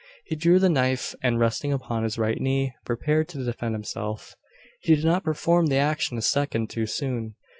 He drew the knife; and, resting upon his right knee, prepared to defend himself. He did not perform the action a second too soon.